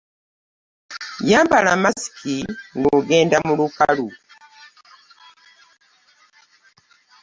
Yambala masiki nga ogenda mu lukalu.